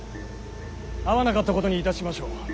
会わなかったことにいたしましょう。